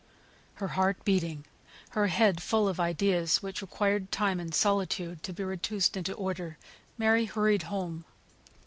Her heart beating, her head full of ideas, which required time and solitude to be reduced into order, Mary hurried home.